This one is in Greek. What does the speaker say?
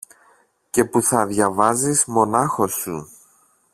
και που θα διαβάζεις μονάχος σου.